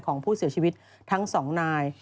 ของผู้เสียชีวิตทั้งสองนาย